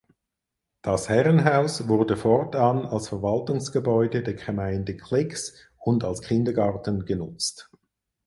Das Herrenhaus wurde fortan als Verwaltungsgebäude der Gemeinde Klix und als Kindergarten genutzt.